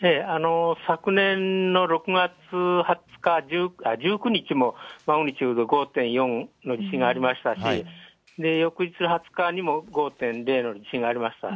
昨年の６月２０日、１９日も、マグニチュード５．４の地震がありましたし、翌日２０日にも５．０の地震がありました。